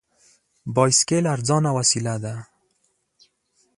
بایسکل ارزانه وسیله ده.